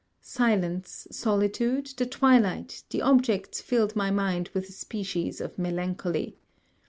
Silence, solitude, the twilight, the objects filled my mind with a species of melancholy.